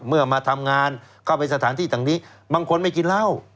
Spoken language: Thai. มาทำงานเข้าไปสถานที่ต่างนี้บางคนไม่กินเหล้า